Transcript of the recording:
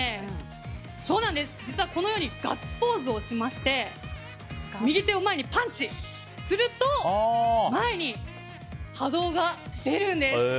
実は、このようにガッツポーズをしまして右手を前にパンチすると前に波動が出るんです。